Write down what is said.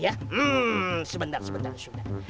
ya hmmm sebentar sebentar sudah